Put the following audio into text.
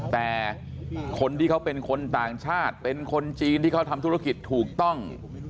แต่คนที่เขาเป็นคนต่างชาติเป็นคนจีนที่เขาทำธุรกิจถูกต้อง